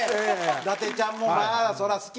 伊達ちゃんもまあそりゃ好きか。